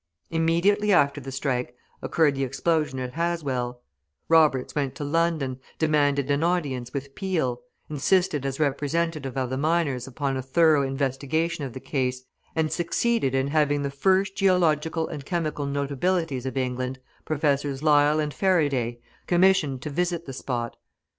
Immediately after the strike, occurred the explosion at Haswell; Roberts went to London, demanded an audience with Peel, insisted as representative of the miners upon a thorough investigation of the case, and succeeded in having the first geological and chemical notabilities of England, Professors Lyell and Faraday, commissioned to visit the spot.